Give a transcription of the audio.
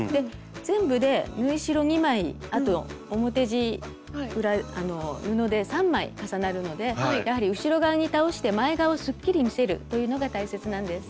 全部で縫い代２枚あと表地あの布で３枚重なるのでやはり後ろ側に倒して前側をすっきり見せるというのが大切なんです。